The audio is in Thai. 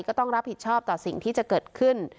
ก็ต้องรับผิดชอบต่อสิ่งที่จะเกิดขึ้น